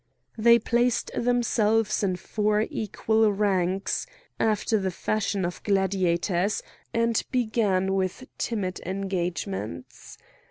They placed themselves in four equal ranks, after the fashion of gladiators, and began with timid engagements.